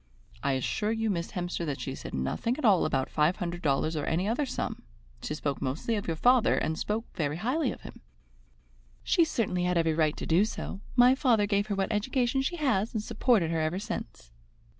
"I assure you, Miss Hemster, that she said nothing at all about five hundred dollars or any other sum. She spoke mostly of your father, and she spoke very highly of him." "She certainly had every right to do so. My father gave her what education she has and supported her ever since."